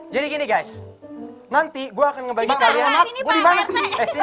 jadi gini guys nanti gue akan ngebagi kalian